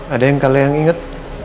ada yang kalian ingat